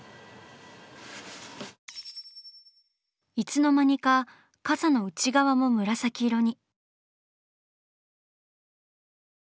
いつの間にか傘の内側も紫色に。